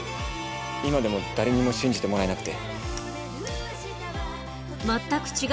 今でも誰にも信じてもらえなくて。